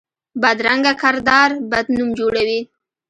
بدرنګه کردار بد نوم جوړوي